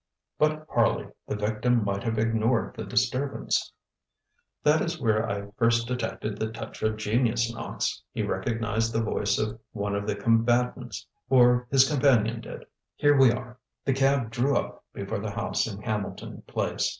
ŌĆØ ŌĆ£But, Harley, the victim might have ignored the disturbance. ŌĆØ ŌĆ£That is where I first detected the touch of genius, Knox. He recognized the voice of one of the combatants or his companion did. Here we are. ŌĆØ The cab drew up before the house in Hamilton Place.